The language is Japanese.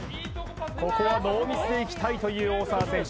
ここはノーミスでいきたいという大澤選手